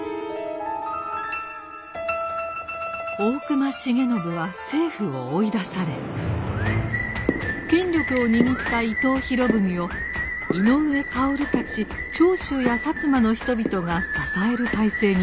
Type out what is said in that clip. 大隈重信は政府を追い出され権力を握った伊藤博文を井上馨たち長州や摩の人々が支える体制になりました。